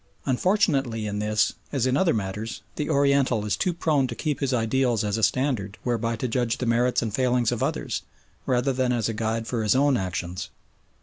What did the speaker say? Unfortunately in this, as in other matters, the Oriental is too prone to keep his ideals as a standard whereby to judge the merits and failings of others, rather than as a guide for his own actions.